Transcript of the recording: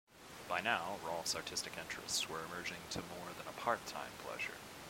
By now Rolf's artistic interests were emerging to more than a part-time pleasure.